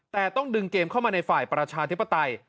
แต่ต้องดึงเกมเข้ามาในฝ่ายประชาธิปไตย